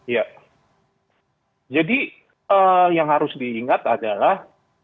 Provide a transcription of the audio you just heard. ya jadi yang harus diingat adalah